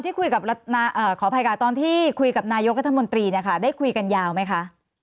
ตอนที่คุยกับนายกรัฐมนตรีได้คุยกันยาวไหมคะ